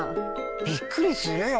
びっくりするよ！